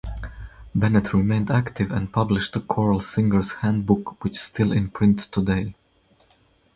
Bennett remained active, and published the "Choral Singer's Handbook" which still in print today.